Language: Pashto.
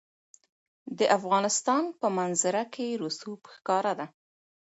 د افغانستان په منظره کې رسوب ښکاره ده.